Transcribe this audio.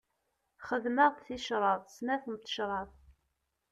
Xedmeɣ-d ticraḍ, snat n tecraḍ.